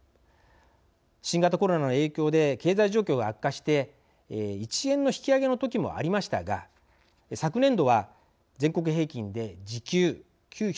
新型コロナの影響で経済状況が悪化して１円の引き上げの時もありましたが昨年度は全国平均で時給９６１円。